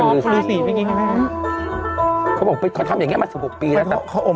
อืม